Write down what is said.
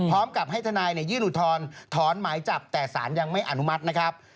พร้อมกับให้ทนายยื่นอุทธรณ์ถอนหมายจับแต่สารยังไม่อนุมัตินะครับ